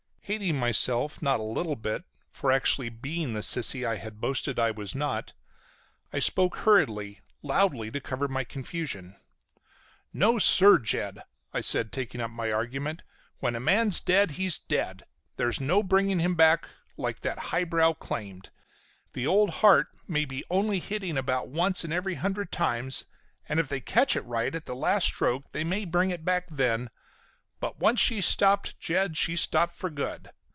Hating myself not a little bit for actually being the sissy I had boasted I was not, I spoke hurriedly, loudly, to cover my confusion. "No sir, Jed!" I said, taking up my argument. "When a man's dead, he's dead! There's no bringing him back like that highbrow claimed. The old heart may be only hitting about once in every hundred times, and if they catch it right at the last stroke they may bring it back then, but once she's stopped, Jed, she's stopped for good.